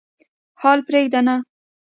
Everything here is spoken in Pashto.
حال پرېږدي نه.